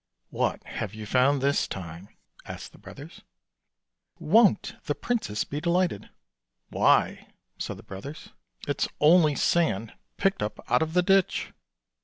" What have you found this time? " asked the brothers. " Won't the princess be delighted! "" Why," said the brothers, " it's only sand picked up out of the ditch!